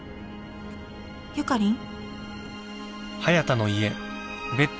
ゆかりん？